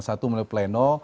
satu melalui pleno